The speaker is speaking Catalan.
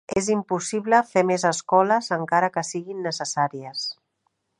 És impossible fer més escoles encara que siguin necessàries.